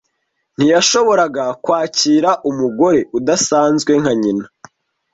Ntiyashoboraga kwakira umugore udasanzwe nka nyina.